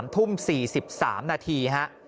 ๓ทุ่ม๔๓นาที